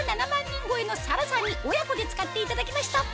人超えの紗蘭さんに親子で使っていただきました